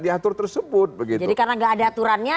diatur tersebut jadi karena nggak ada aturannya